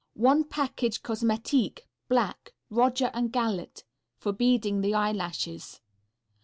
One Package Cosmetique, Black. Roger and Gallet. For beading the eyelashes.